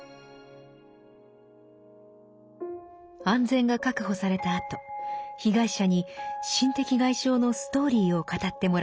安全が確保されたあと被害者に心的外傷のストーリーを語ってもらいます。